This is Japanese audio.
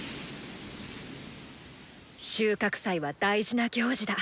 収穫祭は大事な行事だ。